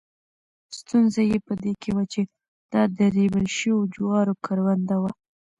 ستونزه یې په دې کې وه چې دا د ریبل شوو جوارو کرونده وه.